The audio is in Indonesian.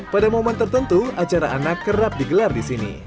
pada momen tertentu acara anak kerap digelar di sini